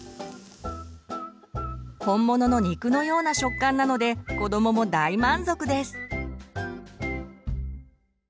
本物の肉のような食感なので子どもも大満足です。